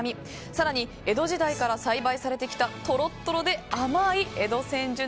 更に江戸時代から栽培されてきたトロトロで甘い江戸千住葱。